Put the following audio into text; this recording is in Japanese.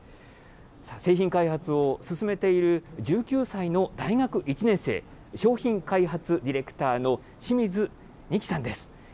製品開発を進めている１９歳の大学１年生、商品開発ディレクターの清水虹希さんです。